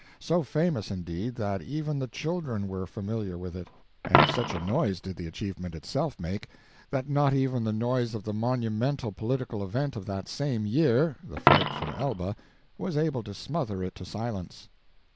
So famous, indeed, that even the children were familiar with it; and such a noise did the achievement itself make that not even the noise of the monumental political event of that same year—the flight from Elba—was able to smother it to silence.